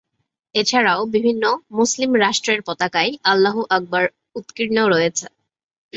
এছাড়াও বিভিন্ন মুসলিম রাষ্ট্রের পতাকায় আল্লাহু আকবর উৎকীর্ণ রয়েছে।